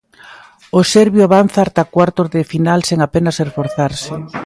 O serbio avanza ata cuartos de final sen apenas esforzarse.